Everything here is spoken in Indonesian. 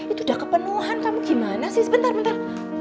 itu udah kepenuhan kamu gimana sih sebentar bentar